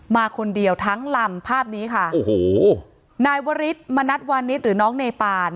มาคนเดียวทั้งลำภาพนี้ค่ะโอ้โหนายวริสมณัฐวานิสหรือน้องเนปาน